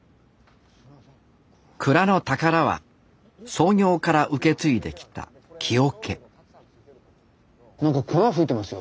蔵の宝は創業から受け継いできた木桶何か粉ふいてますよ。